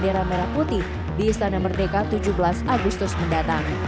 bendera merah putih di istana merdeka tujuh belas agustus mendatang